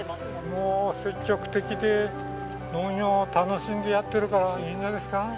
もう積極的で農業楽しんでやってるからいいんじゃないですか？